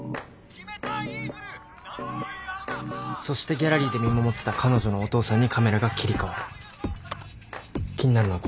そしてギャラリーで見守ってた彼女のお父さんにカメラが切り替わる。